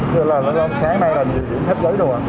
thưa lời lúc sáng mai là dự kiến hết giấy rồi hả